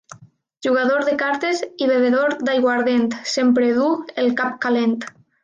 Jugador de cartes i bevedor d'aiguardent sempre duu el cap calent.